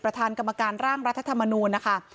ประธานกรรมการร่างรัฐธรรมนูญนะคะ